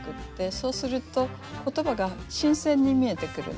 そうすると言葉が新鮮に見えてくるんです。